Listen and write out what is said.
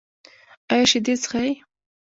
ایا شیدې څښئ؟